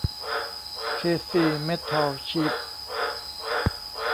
เค ซี เมททอลชีท